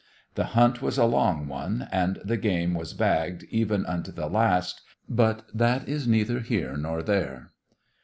The hunt was a long one, and the game was bagged even unto the last, but that is neither here nor there.